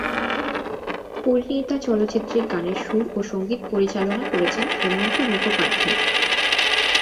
পরিণীতা চলচ্চিত্রের গানের সুর ও সঙ্গীত পরিচালনা করেছেন হেমন্ত মুখোপাধ্যায়।